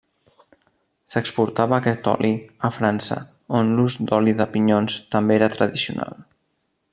S'exportava aquest oli a França on l'ús d'oli de pinyons també era tradicional.